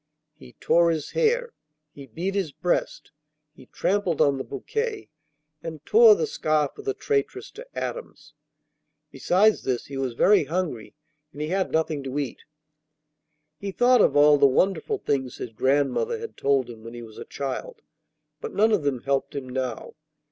He tore his hair, he beat his breast, he trampled on the bouquet, and tore the scarf of the traitress to atoms. Besides this he was very hungry, and he had nothing to eat. He thought of all the wonderful things his grandmother had told him when he was a child, but none of them helped him now.